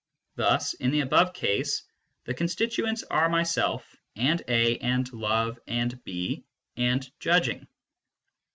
Thus, in the above case, the constituents are myself and A and love and B and judging.